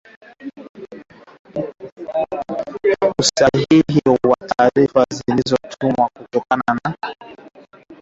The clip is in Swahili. usahihi wa taarifa zinazotolewa unaweza kuimarishwa kupitia mafunzo kuhusu dalili za magonjwa